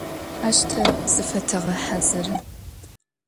Aş te zıfeteğehazırı.